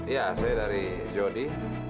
ya saya dari jody